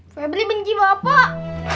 pepri benci bapak